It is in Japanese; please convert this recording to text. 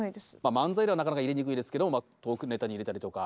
漫才ではなかなか入れにくいですけどトークネタに入れたりとか。